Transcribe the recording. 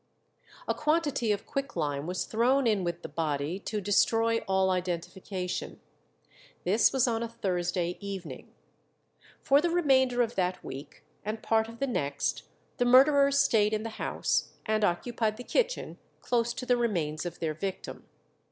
A quantity of quicklime was thrown in with the body to destroy all identification. This was on a Thursday evening. For the remainder of that week and part of the next the murderers stayed in the house, and occupied the kitchen, close to the remains of their victim.